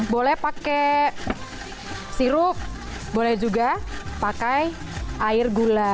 boleh pakai sirup boleh juga pakai air gula